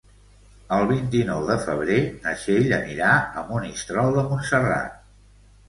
El vint-i-nou de febrer na Txell anirà a Monistrol de Montserrat.